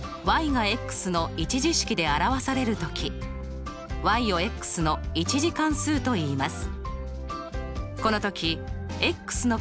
がの２次式で表される時をの２次関数といいます。